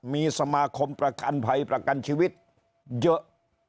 มีสมาคมประกันภัยประกันชีวิตเยอะ